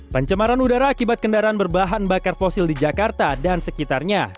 pencemaran udara akibat kendaraan berbahan bakar fosil di jakarta dan sekitarnya